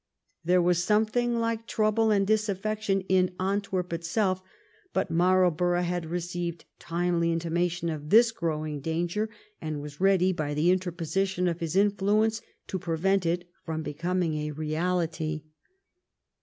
There was something like trouble and disaffection in Antwerp itself, but Marl borough had received timely intimation of this growing danger, and was ready by the interposition of his in fluence to prevent it from becoming a reality.